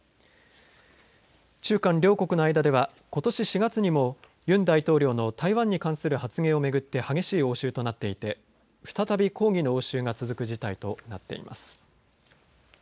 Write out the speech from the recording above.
中韓両国の間ではことし４月にもユン大統領の台湾に関する発言を巡って激しい応酬となっていて再び抗議の応酬が続く事態となっています。